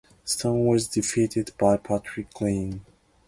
Stone was defeated by Patrick Green.